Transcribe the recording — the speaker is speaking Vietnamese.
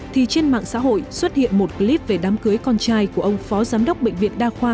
thì trên mạng xã hội xuất hiện một clip về đám cưới con trai của ông phó giám đốc bệnh viện đa khoa